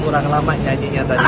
kurang lama nyanyinya tadi